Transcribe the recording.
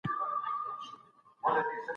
په هېڅ چا ظلم او زیاتي مه کوئ.